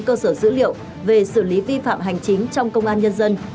cơ sở dữ liệu về xử lý vi phạm hành chính trong công an nhân dân